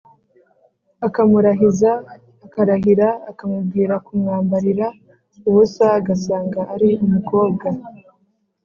akamurahiza akarahira, akamubwira kumwambarira ubusa agasanga ari umukobwa,